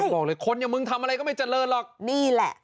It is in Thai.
บอกเลยคนอย่างมึงทำอะไรก็ไม่เจริญหรอกนี่แหละ